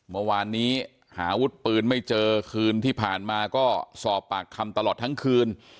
เมื่อวานนี้หาวุธปืนไม่เจอคืนที่ผ่านมาก็สอบปากคำตลอดทั้งคืน